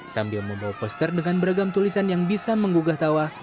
sambil membawa poster dengan beragam tulisan yang bisa menggugah tawa